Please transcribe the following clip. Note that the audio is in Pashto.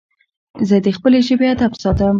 زه د خپلي ژبي ادب ساتم.